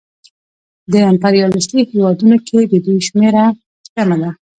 په امپریالیستي هېوادونو کې د دوی شمېره کمه ده